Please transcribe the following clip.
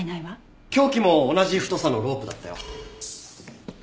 凶器も同じ太さのロープだったよ。